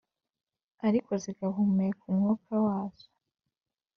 ariko zigahumeka umwuka wazo